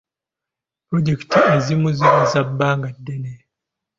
Pulojekiti ezimu ziba za bbanga ddene.